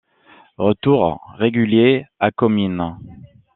Retour régulier à Comines.